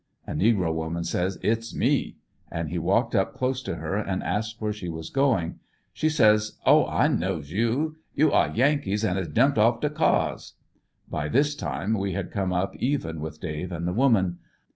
A. negro woman says "it's me," and he walked up close to her and asked where she was going. She says: "Oh! I knows you; yon are Yankees and has jumped off de cars." By this time we had come up even with Dave and the woman.